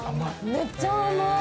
めっちゃ甘い。